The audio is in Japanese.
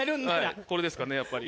これですかねやっぱり。